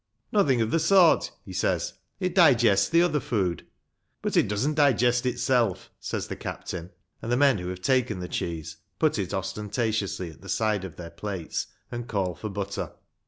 " Nothing of the sort," he says ;" it digests the other food." "But it doesn't digest itself," says the captain ; and the men who have taken the cheese put it ostentatiously at the side of their plates and call for butter.